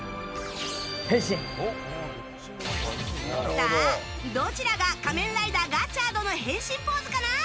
さあ、どちらが仮面ライダーガッチャードの変身ポーズかな？